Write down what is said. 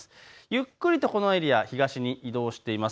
ゆっくりとこのエリア、東に移動しています。